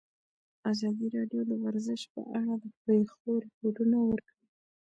ازادي راډیو د ورزش په اړه د پېښو رپوټونه ورکړي.